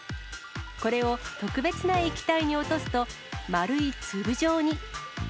これを特別な液体に落とすと、丸い粒状に。